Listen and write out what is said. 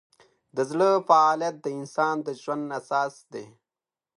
د زړه فعالیت د انسان د ژوند اساس دی.